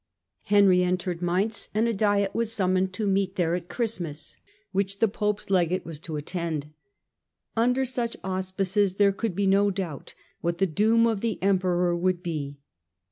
Henry entered Mainz, and a diet was summoned to meet there at Christmas, which the pope's Jegate was to attend. Under such auspices there could be no doubt what the doom of the emperor would be.